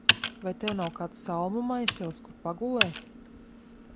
Vai tev nav kāds salmu maišelis, kur pagulēt?